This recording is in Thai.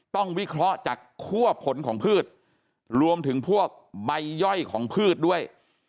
วิเคราะห์จากคั่วผลของพืชรวมถึงพวกใบย่อยของพืชด้วย